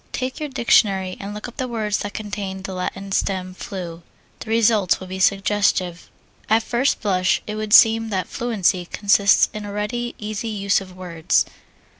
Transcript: Take your dictionary and look up the words that contain the Latin stem flu the results will be suggestive. At first blush it would seem that fluency consists in a ready, easy use of words.